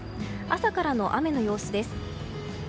朝からの雨の様子です。